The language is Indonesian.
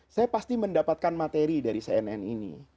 saya pasti mendapatkan materi dari cnn ini